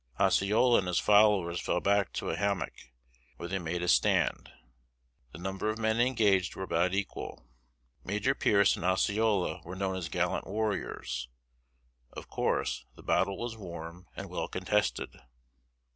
Osceola and his followers fell back to a hommock, where they made a stand. The number of men engaged were about equal; Major Pearce and Osceola were known as gallant warriors; of course, the battle was warm and well contested.